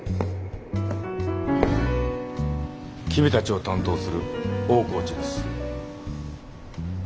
君たちを担当する大河内です。